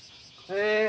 え